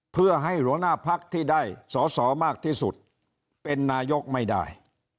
เพื่อให้หัวหน้าพักที่ได้สอสอมากที่สุดเป็นนายกไม่ได้